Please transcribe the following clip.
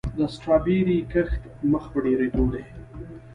د سټرابیري کښت مخ په ډیریدو دی.